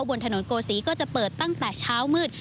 บนถนนโกศีก็จะเปิดตั้งแต่เช้ามืด